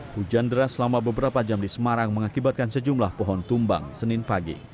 hujan deras selama beberapa jam di semarang mengakibatkan sejumlah pohon tumbang senin pagi